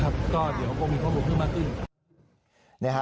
ก็เดี๋ยวคงมีข้อมูลเพิ่มมากขึ้น